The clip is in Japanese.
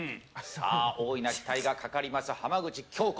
多いな期待がかかります浜口京子。